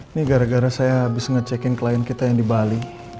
ini gara gara saya abis nge check in klien kita yang di bali